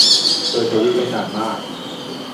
เคยทวิตไว้นานมาก